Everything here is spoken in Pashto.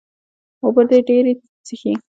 اوبۀ دې ډېرې څښي